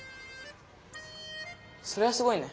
それはすごいね。